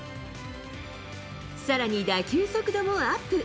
さらに打球速度もアップ。